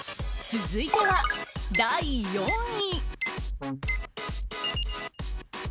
続いては第３位。